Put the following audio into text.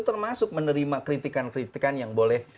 termasuk menerima kritikan kritikan yang boleh